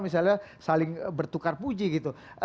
misalnya saling bertukar puji gitu